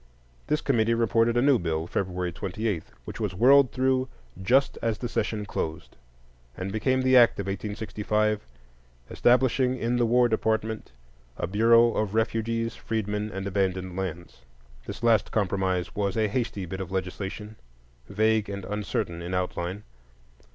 This committee reported a new bill, February 28, which was whirled through just as the session closed, and became the act of 1865 establishing in the War Department a "Bureau of Refugees, Freedmen, and Abandoned Lands." This last compromise was a hasty bit of legislation, vague and uncertain in outline.